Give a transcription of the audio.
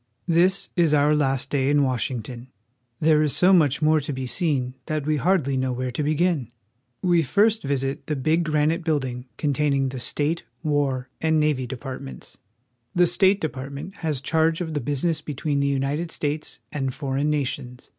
THIS is our last day in Washington. There is so much more to be seen that we hardly know where to begin. We first visit the big granite building containing the State, War, and Navy departments. The State Department has charge of the business be tween the United States and foreign nations.